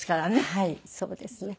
はいそうですね。